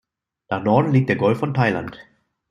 Nach Norden liegt der Golf von Thailand.